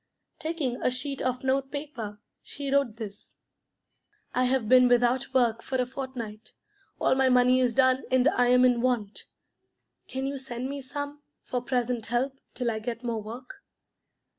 Taking a sheet of note paper, she wrote this: "I have been without work for a fortnight. All my money is done, and I am in want. Can you send me some, for present help, till I get more work?